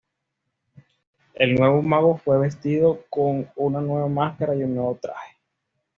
El nuevo mago fue vestido con una nueva máscara y un nuevo traje.